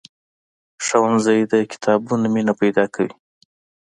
ښوونځی د کتابونو مینه پیدا کوي.